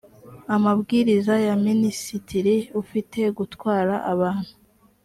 amabwiriza ya minisitiri ufite gutwara abantu